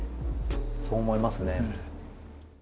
そう思いますね。